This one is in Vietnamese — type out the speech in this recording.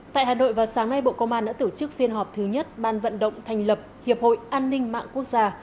tại hà nội vào sáng nay bộ công an đã tổ chức phiên họp thứ nhất ban vận động thành lập hiệp hội an ninh mạng quốc gia